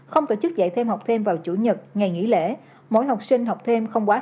không tổ chức dạy thêm học thêm vào chủ nhật ngày nghỉ lễ